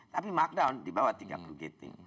tapi markdown di bawah tiga puluh gating